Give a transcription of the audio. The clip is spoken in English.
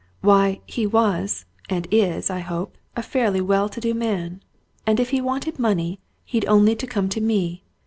Why, he was, and is, I hope, a fairly well to do man! And if he wanted money, he'd only to come to me.